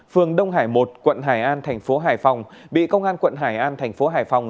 phường đông hải một quận hải an thành phố hải phòng bị công an quận hải an thành phố hải phòng